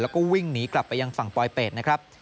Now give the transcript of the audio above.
แล้วก็วิ่งหนีกลับไปยังฝั่งปลอยเป็ดนะครับ